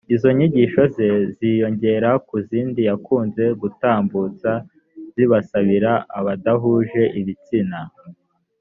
izo nyigisho zaje ziyongera ku zindi yakunze gutambutsa zibasira abadahuje ibitsina